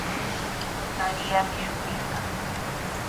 Mariami shutinqa.